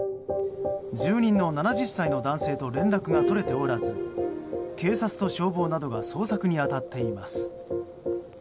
住人の７０歳の男性と連絡が取れておらず警察と消防などが捜索に当たっています。